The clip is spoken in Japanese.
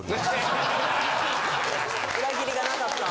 裏切りがなかった。